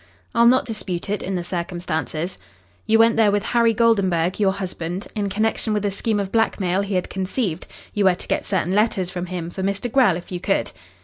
"I'll not dispute it in the circumstances." "You went there with Harry Goldenburg, your husband, in connection with a scheme of blackmail he had conceived. You were to get certain letters from him for Mr. Grell if you could?"